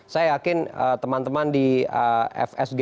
saya yakin teman teman di fsg